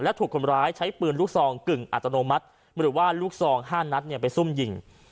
และถูกคนร้ายใช้ปืนลูกซองกึ่งอัตโนมัติหรือว่าลูกซอง๕นัดไปซุ่มยิง